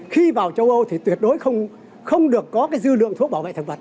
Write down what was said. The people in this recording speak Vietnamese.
khi vào châu âu thì tuyệt đối không được có cái dư lượng thuốc bảo vệ thực vật